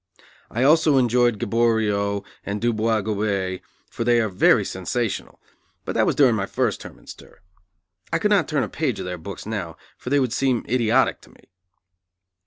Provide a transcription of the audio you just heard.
I also enjoyed Gaboriau and Du Boisgobey, for they are very sensational; but that was during my first term in stir. I could not turn a page of their books now, for they would seem idiotic to me.